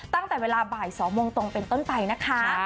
ตั้งแต่เวลาบ่าย๒โมงตรงเป็นต้นไปนะคะ